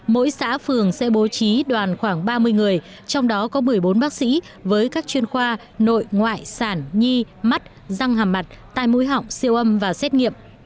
mỗi xã phường sẽ bố trí đoàn khoảng ba mươi người trong đó có một mươi bốn bác sĩ với các chuyên khoa nội ngoại sản nhi mắt răng hàm mặt tai mũi họng siêu âm và xét nghiệm